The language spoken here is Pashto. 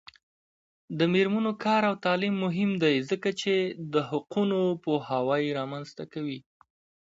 د میرمنو کار او تعلیم مهم دی ځکه چې حقونو پوهاوی رامنځته کوي.